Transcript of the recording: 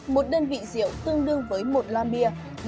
một đơn vị rượu tương đương với một loa bia